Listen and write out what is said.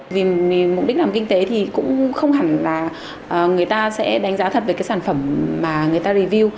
vì mục đích làm kinh tế thì cũng không hẳn là người ta sẽ đánh giá thật về cái sản phẩm mà người ta review